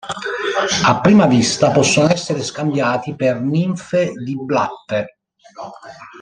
A prima vista possono essere scambiati per ninfe di blatte.